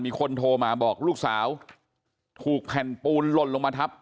มีคนโทรมาบอกลูกสาวถูกแผ่นปูนหล่นลงมาทับ